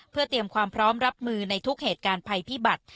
เพื่อเตรียมความพร้อมรับมือในทุกเหตุการณ์ภัยพิบัติ